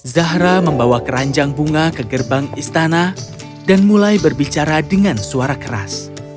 zahra membawa keranjang bunga ke gerbang istana dan mulai berbicara dengan suara keras